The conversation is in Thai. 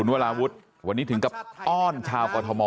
วันนี้ถึงกับอ้อนชาวกอทม